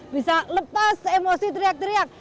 bisa lepas emosi teriak teriak